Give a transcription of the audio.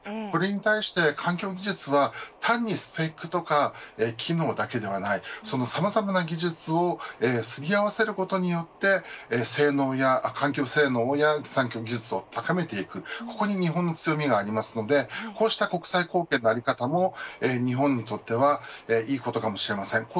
これに対し環境技術は単にスペックや機能だけではないさまざまな技術をすり合わせることによって性能や環境性能や環境技術を高めていく、ここに日本の強みがあるので国際貢献のこういった在り方も日本にとってはいいことかもしれません。